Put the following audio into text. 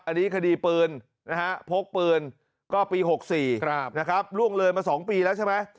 อันนี้คดีปืนนะฮะพกปืนก็ปี๖๔นะครับล่วงเลยมา๒ปีแล้วใช่ไหม